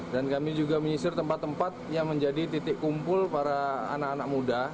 dan kami juga menyisir tempat tempat yang menjadi titik kumpul para anak anak